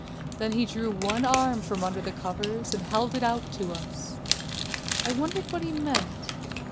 Then he drew one arm from under the covers and held it out to us. I wondered what he meant.